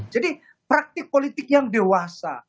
jadi praktik politik yang dewasa